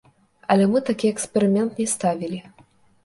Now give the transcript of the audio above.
Але мы такі эксперымент не ставілі.